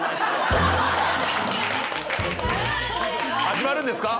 始まるんですか？